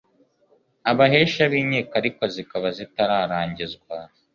abahesha b inkiko ariko zikaba zitararangizwa